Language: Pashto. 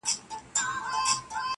لا ورکه له ذاهدهیاره لار د توبې نه ده,